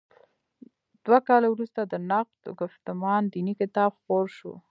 دوه کاله وروسته د نقد ګفتمان دیني کتاب خپور شو.